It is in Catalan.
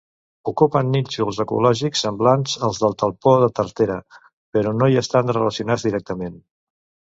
Ocupen nínxols ecològics semblants als del talpó de tartera, però no hi estan relacionats directament.